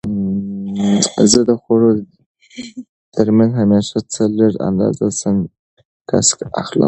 زه د خوړو ترمنځ همیشه څه لږه اندازه سنکس اخلم.